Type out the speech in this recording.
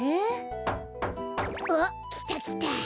あっきたきた。